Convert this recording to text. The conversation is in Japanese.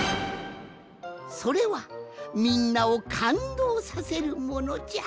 それはみんなをかんどうさせるものじゃ。